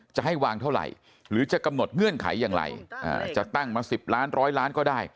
จะให้วางเท่าไหร่หรือจะกำหนดเงื่อนไขอย่างไรจะตั้งมา๑๐ล้านร้อยล้านก็ได้